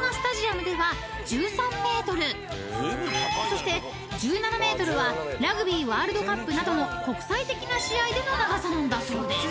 ［そして１７ｍはラグビーワールドカップなどの国際的な試合での長さなんだそうです］